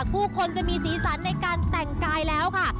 ผู้คนจะมีสีสันในการแต่งกายแล้วค่ะ